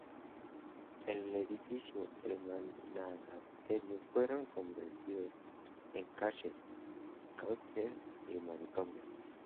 Los edificios del monasterio fueron convertidos en cárcel, cuartel y manicomio.